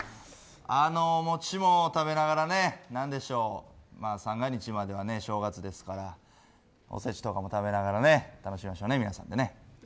餅でも食べながら三が日までは正月ですからおせちとかも食べながら楽しみましょうね、皆さんでね。